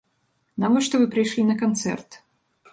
Навошта вы прыйшлі на канцэрт?